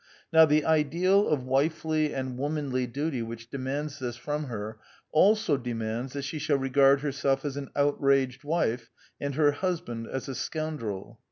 Now the ideal of wifely and womanly duty which demands this from her also demands that she shall regard herself as an out raged wife, and her husband as a scoundrel.